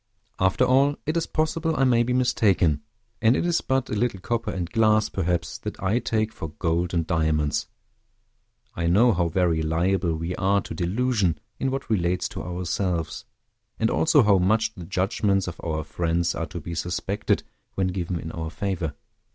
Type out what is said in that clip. After all, it is possible I may be mistaken; and it is but a little copper and glass, perhaps, that I take for gold and diamonds. I know how very liable we are to delusion in what relates to ourselves, and also how much the judgments of our friends are to be suspected when given in our favor.